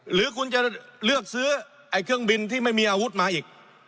หรือคุณจะเลือกซื้อไอ้เครื่องบินที่ไม่มีอาวุธมาอีก